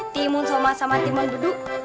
timun soma sama timun budu